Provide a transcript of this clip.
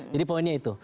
jadi poinnya itu